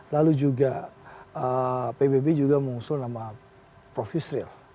lalu juga pbb juga mengusul nama prof yusril